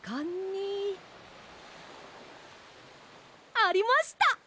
ありました！